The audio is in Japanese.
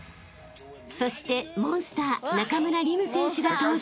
［そしてモンスター中村輪夢選手が登場］